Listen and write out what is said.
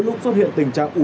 hôm nay thì đông quá